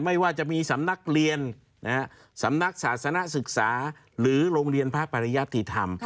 ไม่ว่าจะมีสำนักเรียนสำนักศาสนศึกษาหรือโรงเรียนพระปริยติธรรม